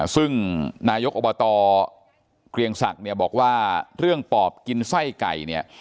ซึ่งนายกอบตเกรียงศักดิ์เนี่ยบอกว่าเรื่องปอบกินไส้ไก่เนี่ย